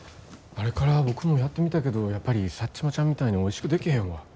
あれから僕もやってみたけどやっぱりサッチモちゃんみたいにおいしく出来へんわ。